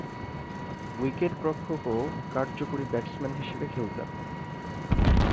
উইকেট-রক্ষক ও কার্যকরী ব্যাটসম্যান হিসেবে খেলতেন।